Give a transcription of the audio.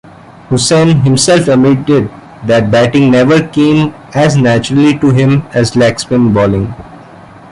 Hussain himself admitted that batting never came as naturally to him as leg-spin bowling.